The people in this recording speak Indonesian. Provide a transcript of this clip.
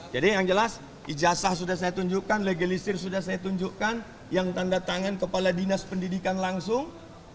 jadi yang jelas ijasa sudah saya tunjukkan legalisir sudah saya tunjukkan yang tanda tangan kepala dinas pendidikan langsung